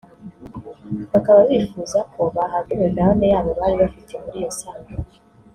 bakaba bifuza ko bahabwa imigabane yabo bari bafite muri iyo sanduku